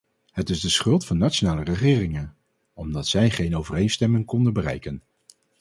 Het is de schuld van nationale regeringen, omdat zij geen overeenstemming konden bereiken.